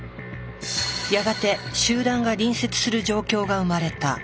やがて集団が隣接する状況が生まれた。